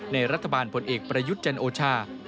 ในรัฐบาลผลเอกประยุทธ์จันโอชา